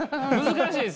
難しい。